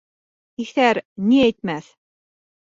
Иҫәр ни әйтмәҫ?